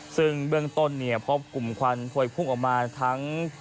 ซึ่งเบื้องต้นเนี่ยพบกลุ่มควันพวยพุ่งออกมาทั้ง